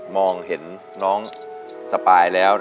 มองเห็นน้องสปายแล้ว